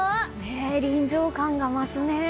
臨場感が増すね。